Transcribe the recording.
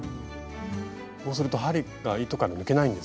こうすると針が糸から抜けないんですね。